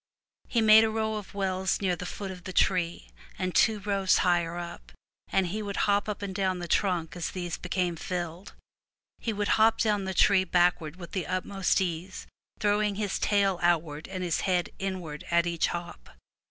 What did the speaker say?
He made a row of wells near the foot of the tree, and other rows higher up, and he would hop up and down the trunk as these became filled. He would hop down the tree backward with the utmost ease, throwing his tail outward and his head inward at each hop.